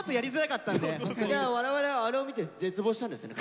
我々はあれを見て絶望したんですよね